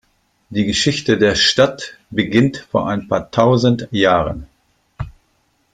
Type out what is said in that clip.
Die Geschichte der Stadt beginnt vor ein paar tausend Jahren.